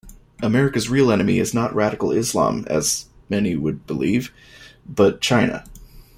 America's real enemy is not radical Islam, as many would believe, but China.